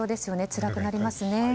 つらくなりますね。